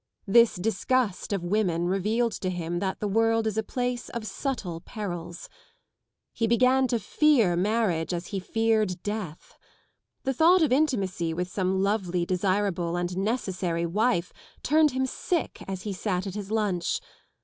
This disgust of women revealed to him that the world is a place of subtle perils. He began to fear marriage as he feared death. The thought of intimacy with some lovely, desirable and necessary wife turned him sick as he sat at his lunch.